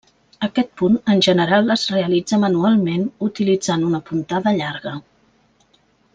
Aquest punt en general es realitza manualment utilitzant una puntada llarga.